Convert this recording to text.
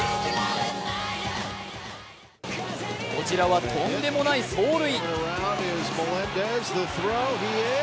こちらはとんでもない走塁。